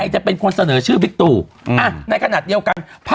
จะจับตาว่า